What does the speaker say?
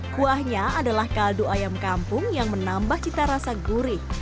kuahnya adalah kaldu ayam kampung yang menambah cita rasa gurih